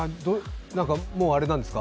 もうあれなんですか？